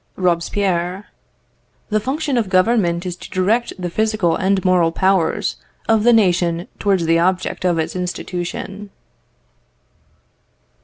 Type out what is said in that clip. Robespierre. "The function of Government is to direct the physical and moral powers of the nation towards the object of its institution."